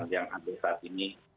yang sampai saat ini